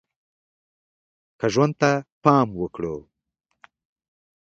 که ژوند ته پام وکړو